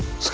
oh ya udah